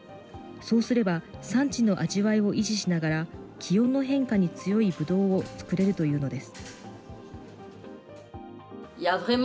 そうすれば、産地の味わいを維持しながら、気温の変化に強いぶどうを作れるというのです。